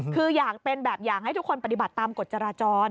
คืออยากเป็นแบบอย่างให้ทุกคนปฏิบัติตามกฎจราจร